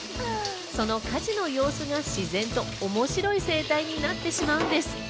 その家事の様子が自然と面白い生態になってしまうんです。